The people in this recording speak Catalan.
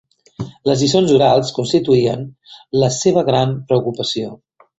Les lliçons orals, constituïen la seva gran preocupació.